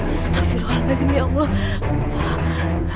astagfirullahaladzim ya allah